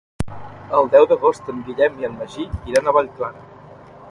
El deu d'agost en Guillem i en Magí iran a Vallclara.